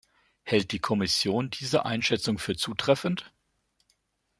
Hält die Kommission diese Einschätzung für zutreffend?